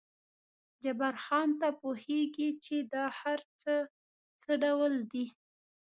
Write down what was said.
جبار خان، ته پوهېږې چې دا هر څه څه ډول دي؟